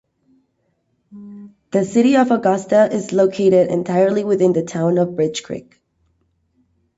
The city of Augusta is located entirely within the town of Bridge Creek.